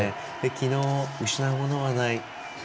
昨日、失うものはない。